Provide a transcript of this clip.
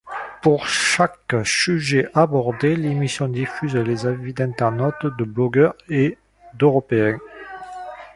Pour chaque sujet abordé, l'émission diffuse les avis d'internautes, de blogueurs et d'européens.